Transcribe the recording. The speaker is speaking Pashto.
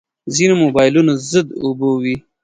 ځینې موبایلونه ضد اوبو وي.